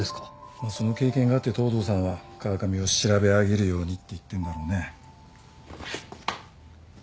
まあその経験があって東堂さんは川上を調べ上げるようにって言ってんだろうね。